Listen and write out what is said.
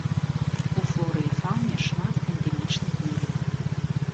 У флоры і фауне шмат эндэмічных відаў.